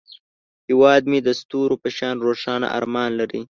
هیواد مې د ستورو په شان روښانه ارمان لري